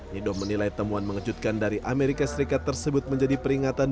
nidom menilai temuan mengejutkan dari amerika serikat tersebut menjadi peringatan